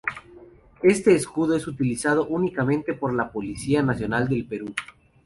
Este escudo es utilizado únicamente por la Policía Nacional del Perú.